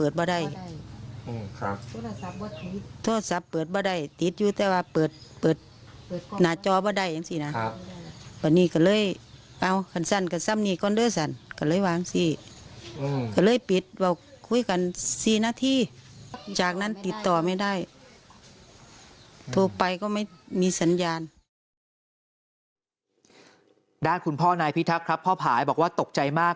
ด้านคุณพ่อนายพิทักษ์ครับพ่อผายบอกว่าตกใจมาก